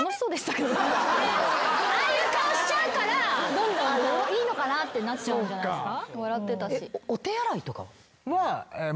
ああいう顔しちゃうからどんどんいいのかなってなっちゃうんじゃないんですか？